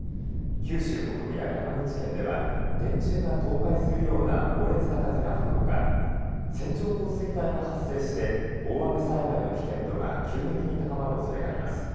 九州北部や山口県では電柱が倒壊するような猛烈な風が吹くほか、線状降水帯が発生して大雨災害の危険度が急激に高まるおそれがあります。